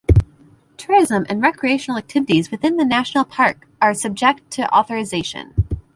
Tourism and recreational activities within the national park are subject to authorization.